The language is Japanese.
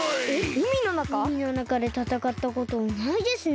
うみのなかでたたかったことないですね。